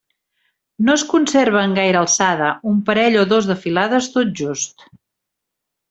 No es conserva en gaire alçada: un parell o dos de filades, tot just.